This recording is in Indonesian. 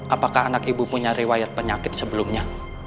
apakah anak ibu punya riwayat penyakit sebelumnya